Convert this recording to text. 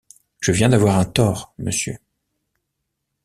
Je viens d’avoir un tort, monsieur.